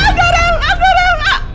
kenapa jadi begini sih keadaannya